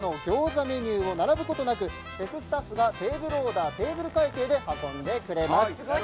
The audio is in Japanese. こちらでは出店している餃子メニューを並ぶことなくフェススタッフがテーブルオーダーテーブル会計で運んでくれます。